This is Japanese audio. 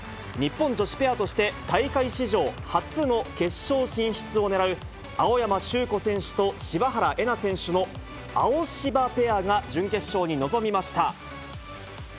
日本女子ペアとして、大会史上初の決勝進出を狙う、青山修子選手と柴原瑛菜選手のアオシバペアが準決勝に臨みました。